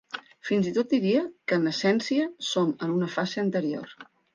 Fins i tot diria que en essència som en una fase anterior.